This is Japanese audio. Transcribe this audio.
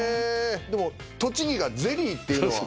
でも栃木がゼリーっていうのは。